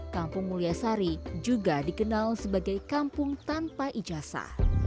kampung mulya sari juga dikenal sebagai kampung tanpa ijasa